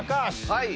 はい。